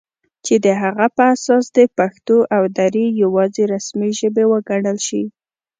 چې د هغه په اساس دې پښتو او دري یواځې رسمي ژبې وګڼل شي